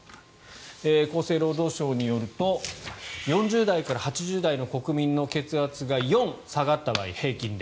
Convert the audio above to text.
厚生労働省によると４０代から８０代の国民の血圧が４下がった場合、平均で。